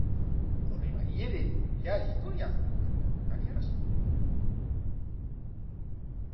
The bay is also widely known for its yachting.